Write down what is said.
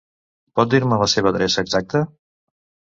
Pot dir-me la seva adreça exacte?